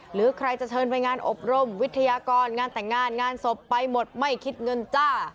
หรือใครจะเชิญไปงานอบรมวิทยากรงานแต่งงานงานศพไปหมดไม่คิดเงินจ้า